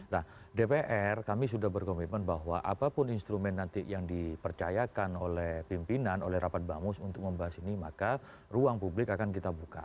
nah dpr kami sudah berkomitmen bahwa apapun instrumen nanti yang dipercayakan oleh pimpinan oleh rapat bamus untuk membahas ini maka ruang publik akan kita buka